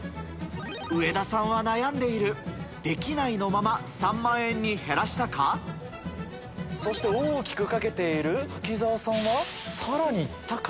上田さんは悩んでいる「できない」のまま３万円に減らしたかそして大きく賭けている滝沢さんはさらに行ったか？